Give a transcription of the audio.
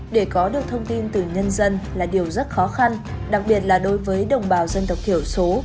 để có được thông tin từ nhân dân là điều rất khó khăn đặc biệt là đối với đồng bào dân tộc thiểu số